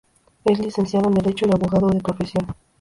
Es licenciado en Derecho y abogado de profesión.